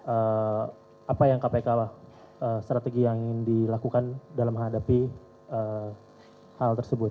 eee apa yang kpk lah strategi yang ingin dilakukan dalam menghadapi hal tersebut